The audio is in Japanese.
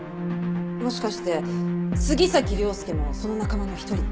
もしかして杉崎涼介もその仲間の一人？